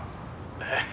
えっ？